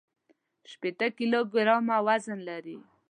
شپېته کيلوګرامه وزن لري.